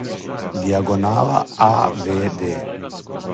дијагонала а ве де